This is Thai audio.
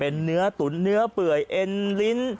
เป็นเนื้อตุ๋นเนื้อเปื่อยเอ็นลิ้น